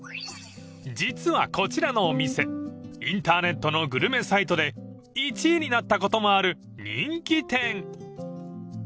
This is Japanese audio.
［実はこちらのお店インターネットのグルメサイトで１位になったこともある人気店］